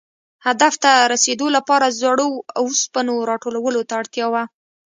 هدف ته رسېدو لپاره زړو اوسپنو را ټولولو ته اړتیا وه.